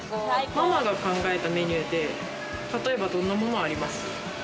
ママが考えたメニューで、例えば、どんなものあります？